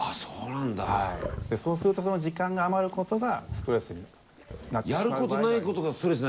そうするとその時間が余ることがストレスになってしまう場合があります。